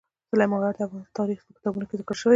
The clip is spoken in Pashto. سلیمان غر د افغان تاریخ په کتابونو کې ذکر شوی دي.